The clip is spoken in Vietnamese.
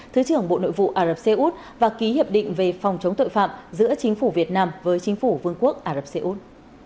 thứ trưởng bộ nội vụ ả rập xê út và ký hiệp định về phòng chống tội phạm giữa chính phủ việt nam với chính phủ vương quốc ả rập xê út